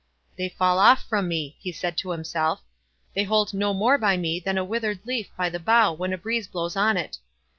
"They fall off from me," he said to himself, "they hold no more by me than a withered leaf by the bough when a breeze blows on it!